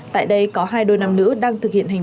tại đây có hai đôi nam nữ đang thực hiện hình dung